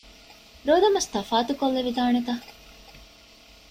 ރޯދަމަސް ތަފާތުކޮށްލެވިދާނެތަ؟